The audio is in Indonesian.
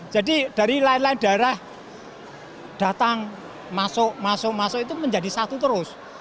jadi dari lain lain daerah datang masuk masuk itu menjadi satu terus